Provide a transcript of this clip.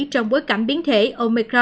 trong bối cảnh biến thể omicron